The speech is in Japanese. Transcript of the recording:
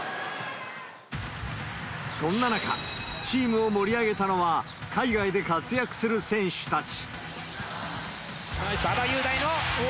そんな中、チームを盛り上げたのは海外で活躍する選手たち。